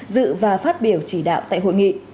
dự và phát biểu chỉ đạo tại hội nghị